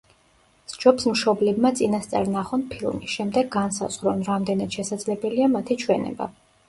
სჯობს მშობლებმა წინასწარ ნახონ ფილმი, შემდეგ განსაზღვრონ, რამდენად შესაძლებელია მათი ჩვენება.